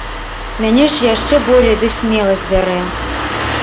Мяне ж яшчэ болей ды смеласць бярэ.